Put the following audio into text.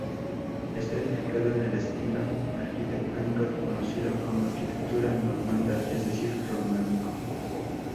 Está edificado en el estilo arquitectónico conocido como arquitectura normanda, es decir, románico.